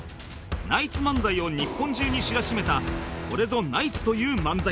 ナイツ漫才を日本中に知らしめたこれぞナイツという漫才